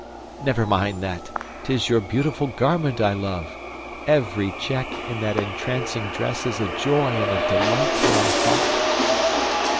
"Never mind that! 'Tis your beautiful garment I love. Every check in that entrancing dress is a joy and a delight to my heart!"